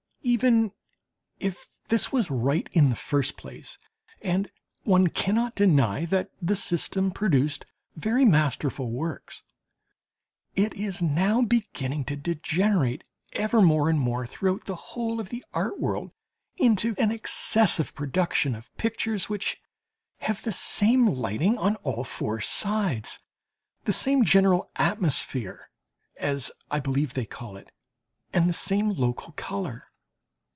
Even if this was right in the first place and one cannot deny that the system produced very masterful works it is now beginning to degenerate ever more and more throughout the whole of the art world into an excessive production of pictures which have the same lighting on all four sides, the same general atmosphere as I believe they call it, and the same local colour.